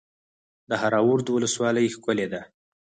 د دهراوود ولسوالۍ ښکلې ده